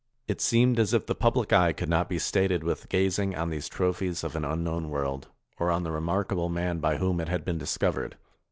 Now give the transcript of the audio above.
It seemed as if the public eye could not be sated with gazing on these trophies of an unknown world; or on the remarkable man by whom it had been discovered.